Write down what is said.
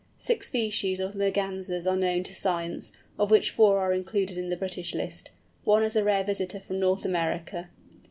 Six species of Mergansers are known to science, of which four are included in the British list—one as a rare visitor from North America.